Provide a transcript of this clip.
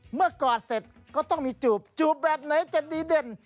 กอดเสร็จก็ต้องมีจูบจูบแบบไหนจะดีเด่น